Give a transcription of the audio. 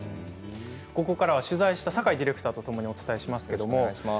ここからは取材した酒井ディレクターとお伝えします。